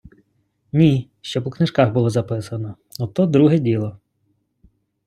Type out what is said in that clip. Ні, щоб у книжках було записано, от то друге діло...